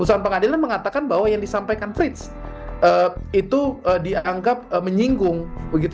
putusan pengadilan mengatakan bahwa yang disampaikan frits itu dianggap menyinggung